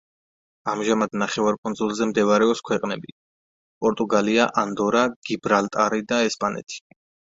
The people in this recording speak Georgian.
ამჟამად ნახევარკუნძულზე მდებარეობს ქვეყნები: პორტუგალია, ანდორა, გიბრალტარი და ესპანეთი.